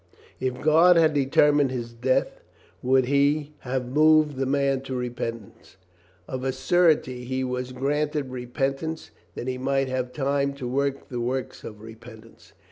If God had determined his death would He 440 COLONEL GREATHEART have moved the man to repentance? Of a surety he was granted repentance that he might have time to work the works of repentance.